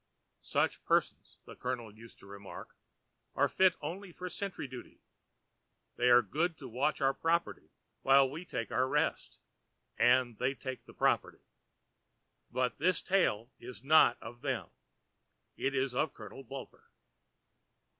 Such persons, the Colonel used to remark, are fit only for sentry duty; they are good to watch our property while we take our rest—and they take the property. But this tale is not of them; it is of Colonel Bulper.